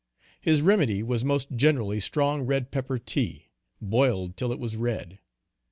His remedy was most generally strong red pepper tea, boiled till it was red.